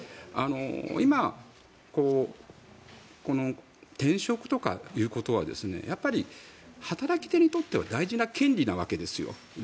今、転職ということは働き手にとっては大事な権利なわけですよ。